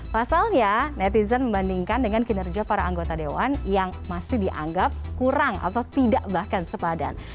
pasalnya netizen membandingkan dengan kinerja para anggota dewan yang masih dianggap kurang atau tidak bahkan sepadan